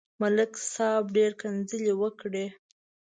ملک صاحب ډېره کنځلې وکړې.